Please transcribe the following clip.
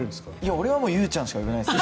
俺は裕ちゃんとしか呼べないです。